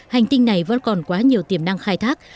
hành tinh này vẫn còn quá nhiều tiềm năng khai thác